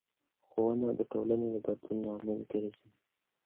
ښوونه د ټولنې د بدلون لامل ګرځي